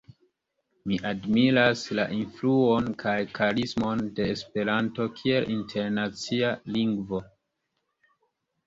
Mi admiras la influon kaj karismon de Esperanto kiel internacia lingvo.